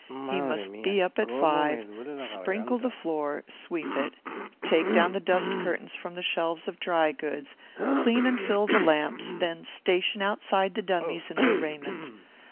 He must be up at five, sprinkle the floor, sweep it, take down the dust curtains from the shelves of dry goods, clean and fill the lamps, then station outside the dummies in their raiment.